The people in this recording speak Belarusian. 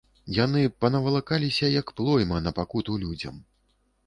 Яны панавалакаліся, як плойма, на пакуту людзям.